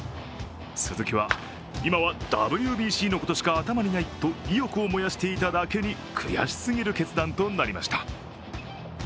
鈴木は、今はＷＢＣのことしか頭にないと意欲を燃やしていただけに悔しすぎる決断となりました。